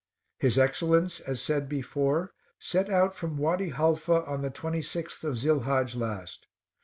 His Excellence, as said before, set out from Wady Haifa on the 26th of Zilhadge last.